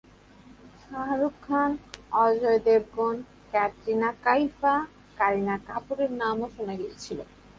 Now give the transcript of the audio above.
শাহরুখ খান, অজয় দেবগন, ক্যাটরিনা কাইফা, কারিনা কাপুরের নামও শোনা গিয়েছিল।